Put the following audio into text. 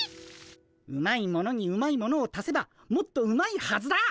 うまいものにうまいものを足せばもっとうまいはずだ！